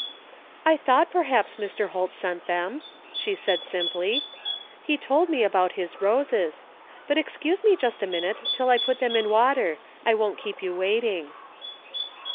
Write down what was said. " I thought perhaps Mr. Holt sent them," she said simply. " He told me about his roses. But excuse me just a minute till I put them in water. I won't keep you waiting."